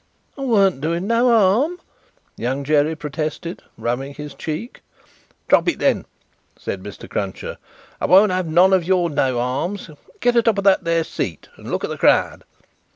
"I warn't doing no harm," Young Jerry protested, rubbing his cheek. "Drop it then," said Mr. Cruncher; "I won't have none of your no harms. Get a top of that there seat, and look at the crowd."